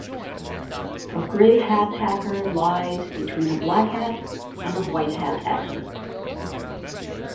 A grey hat hacker lies between a black hat and a white hat hacker.